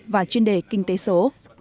và chuyên đề kinh tế số